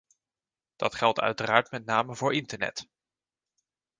Dat geldt uiteraard met name voor internet.